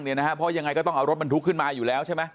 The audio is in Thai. เพราะยังไงก็ต้องเอารถบรรทุกขึ้นมาอยู่แล้วใช่ไหม